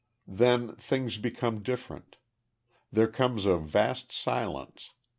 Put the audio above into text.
Then, things become different. There comes a vast silence.